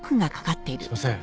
すいません